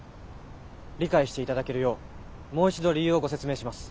理解していただけるようもう一度理由をご説明します。